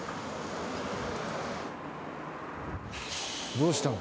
どうしたの？